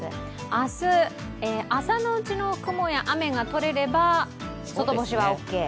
明日、朝のうちの雲や雨がとれれば外干しはオーケー。